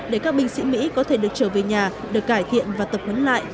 để các binh sĩ mỹ có thể được trở về nhà được cải thiện và tập huấn lại